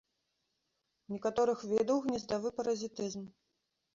У некаторых відаў гнездавы паразітызм.